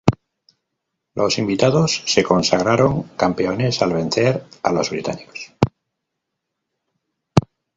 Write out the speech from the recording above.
Los invitados se consagraron campeones al vencer a los británicos.